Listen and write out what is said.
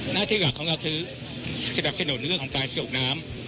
หน้าที่หลักของเราคือสนับสนุนเรื่องของการสูบน้ำ